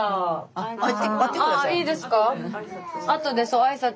あいいですか？